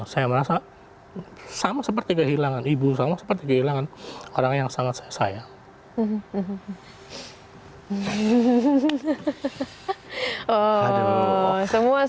saya merasa sama seperti kehilangan ibu sama seperti kehilangan orang yang sangat sayang